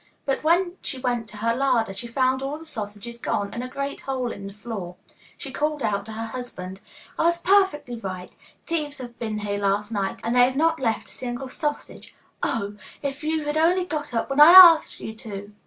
But when she went to her larder, she found all the sausages gone, and a great hole in the floor. She called out to her husband, 'I was perfectly right. Thieves have been here last night, and they have not left a single sausage. Oh! if you had only got up when I asked you to!